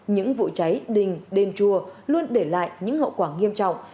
những vụ cháy đình đền chùa luôn để lại những hậu quả nghiêm trọng